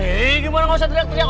hei gimana gak usah teriak teriak